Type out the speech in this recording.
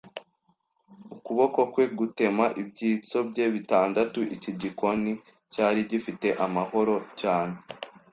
ukuboko kwe, gutema ibyitso bye bitandatu. Iki gikoni cyari gifite amahoro cyane